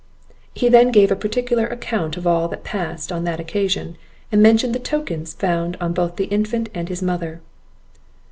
He then gave a particular account of all that passed on that occasion, and mentioned the tokens found on both the infant and his mother.